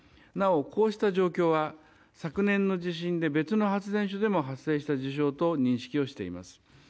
なおこうした状況は昨年の地震で別の発電所でも発生した事象と認識しています。